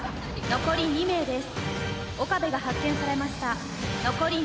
残り２名です。